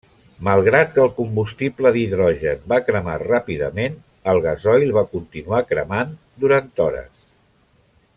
Malgrat que el combustible d'hidrogen va cremar ràpidament el gasoil va continuar cremant durant hores.